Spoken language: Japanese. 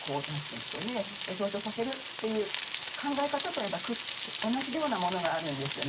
象徴させるっていう考え方とやっぱり同じようなものがあるんですよね。